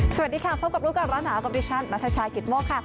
สวัสดีค่ะพบกับลูกการณ์ร้านหาคอมพิวเตอร์ชันนัทชายกิตโมกค่ะ